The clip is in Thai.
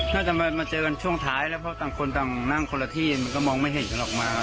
น่าจะมาเจอกันช่วงท้ายแล้วเพราะต่างคนต่างนั่งคนละที่มันก็มองไม่เห็นกันออกมา